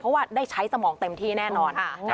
เพราะว่าได้ใช้สมองเต็มที่แน่นอน